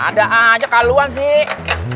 ada aja kaluan sih